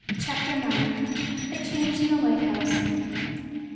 CHAPTER IX. A CHANGE IN THE LIGHTHOUSE.